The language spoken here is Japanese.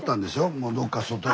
もうどっか外へ。